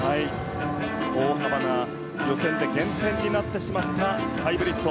大幅な予選で減点になってしまったハイブリッド。